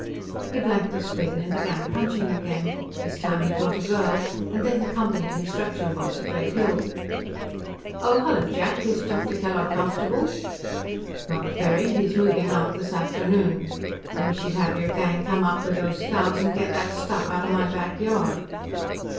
He blanked the screen and began punching again. This time he got a girl, and then the Company construction boss at Red Hill. "Oh, hello, Jack; is Dr. Kellogg comfortable?" "Not very. He's moving out this afternoon. I wish you'd have your gang come up with those scows and get that stuff out of my back yard."